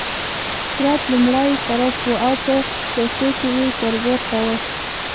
کرت لومړی صراف وو او په چارسو کې يې کاروبار کاوه.